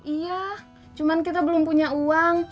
iya cuman kita belum punya uang